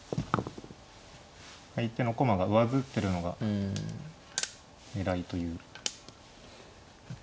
相手の駒が上ずってるのが狙いという。